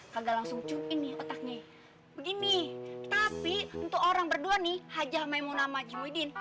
kagak langsung cuin otaknya begini tapi untuk orang berdua nih haji hamil namanya jumidin